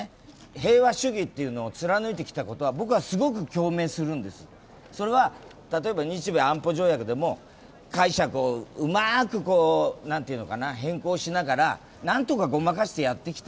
平和主義を貫いてきたことは僕はすごく共鳴するんです、それは例えば日米安保条約でも解釈をうまく変更しながらなんとかごまかしてやってきた。